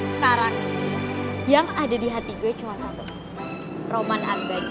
sekarang yang ada di hati gue cuma satu roman abadi